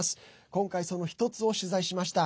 今回、その１つを取材しました。